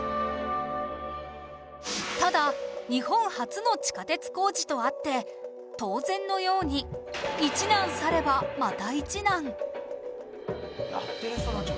ただ日本初の地下鉄工事とあって当然のように一難去ればまた一難